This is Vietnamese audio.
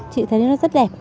chị thấy nó rất đẹp